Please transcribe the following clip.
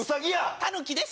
タヌキです。